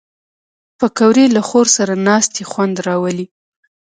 پکورې له خور سره ناستې خوند راولي